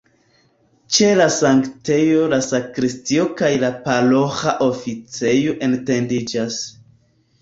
Ĉe la sanktejo la sakristio kaj la paroĥa oficejo etendiĝas.